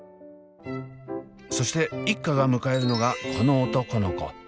そして一家が迎えるのがこの男の子。